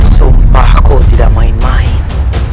sumpahku tidak main main